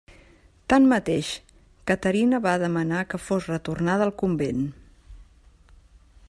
Tanmateix, Caterina va demanar que fos retornada al convent.